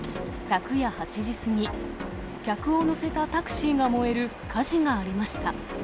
昨夜８時過ぎ、客を乗せたタクシーが燃える火事がありました。